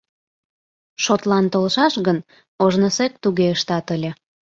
Шотлан толшаш гын, ожнысек туге ыштат ыле».